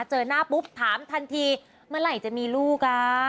เจอหน้าปุ๊บถามทันทีเมื่อไหร่จะมีลูก